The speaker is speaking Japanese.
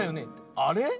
あれ？